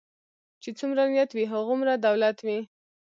چی څومره نيت وي هغومره دولت وي .